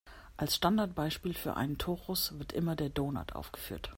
Als Standardbeispiel für einen Torus wird immer der Donut aufgeführt.